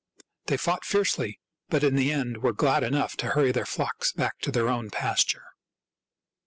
They fought fiercely, but in the end were glad enough to hurry their flocks back to their own pasture.